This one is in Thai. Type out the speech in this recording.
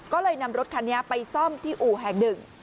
ก็เลยนำรถคันนี้ไปซ่อมที่อู่แห่งหนึ่ง